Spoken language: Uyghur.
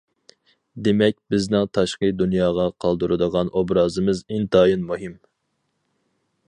دېمەك، بىزنىڭ تاشقى دۇنياغا قالدۇرىدىغان ئوبرازىمىز ئىنتايىن مۇھىم.